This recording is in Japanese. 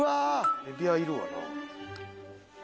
エビはいるわな。